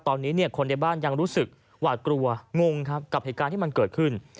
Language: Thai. ตอนนี้คนในบ้านยังรู้สึกหวาดกลัวงงครับกับเหตุการณ์ที่มันเกิดขึ้น